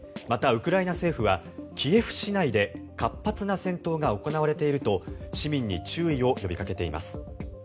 またウクライナ政府はキエフ市内で活発な戦闘が行われていると市民に注意を呼びかけています。